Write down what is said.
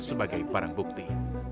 sebagai barang bukti